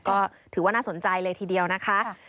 ก็ถือว่าน่าสนใจเลยทีเดียวนะคะ